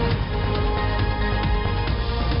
สวงไปอยู่ที่หองพักอยู่สมุนปาการสวงไปอยู่ที่หองพักอยู่สมุนปาการ